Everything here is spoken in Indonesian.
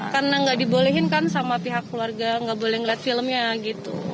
karena nggak dibolehin kan sama pihak keluarga nggak boleh ngeliat filmnya gitu